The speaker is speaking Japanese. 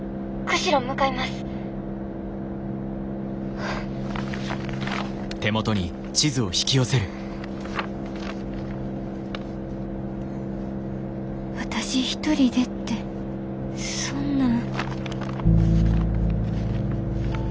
心の声私一人でってそんなん。